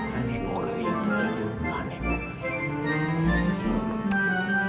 kan nebo kering